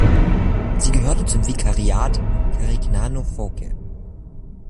Sie gehört zum Vikariat "Carignano-Foce".